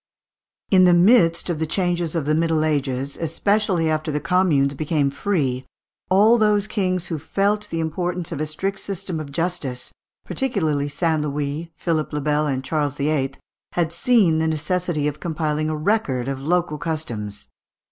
In the midst of the changes of the Middle Ages, especially after the communes became free, all those kings who felt the importance of a strict system of justice, particularly St. Louis, Philippe le Bel, and Charles VIII., had seen the necessity of compiling a record of local customs.